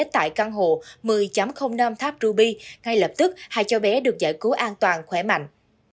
tại căn hộ một mươi năm tháp ruby ngay lập tức hai cháu bé được giải cứu an toàn khỏe mạnh